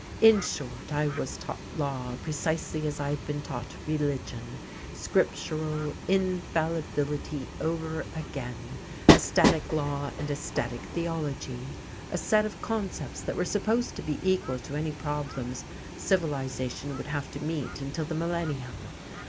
In short, I was taught law precisely as I had been taught religion, scriptural infallibility over again, a static law and a static theology, a set of concepts that were supposed to be equal to any problems civilization would have to meet until the millennium.